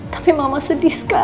tapi mama sedih sekali